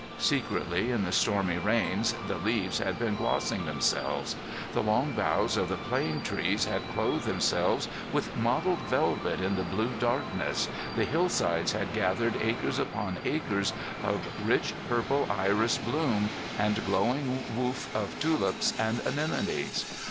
Secretly in the stormy rains the leaves had been glossing themselves, the long boughs of the plane trees had clothed themselves with mottled velvet in the blue darkness, the hillsides had gathered acres upon acres of rich purple iris bloom and glowing woof of tulips and anemones.